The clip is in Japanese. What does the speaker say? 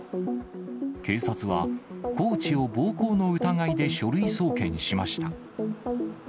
警察は、コーチを暴行の疑いで書類送検しました。